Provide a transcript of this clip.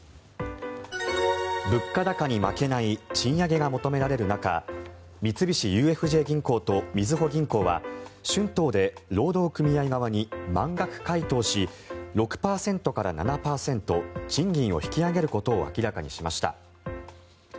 物価高に負けない賃上げが求められる中三菱ＵＦＪ銀行とみずほ銀行は春闘で労働組合側に満額回答し６％から７％賃金を引き上げることを明らかにしました。